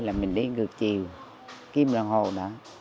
là mình đi ngược chiều kiếm đồng hồ đó